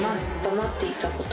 黙っていたこと